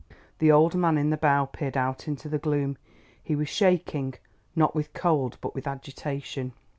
The old man in the bow peered out into the gloom. He was shaking, not with cold but with agitation.